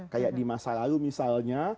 kayak di masa lalu misalnya